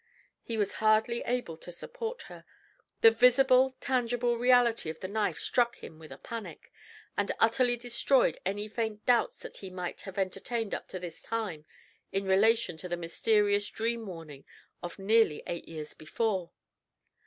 He was hardly able to support her. The visible, tangible reality of the knife struck him with a panic, and utterly destroyed any faint doubts that he might have entertained up to this time in relation to the mysterious dream warning of nearly eight years before.